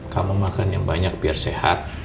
kamu makan yang banyak biar sehat